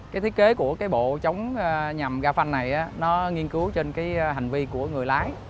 cái thiết kế của cái bộ chống nhầm gaf này nó nghiên cứu trên cái hành vi của người lái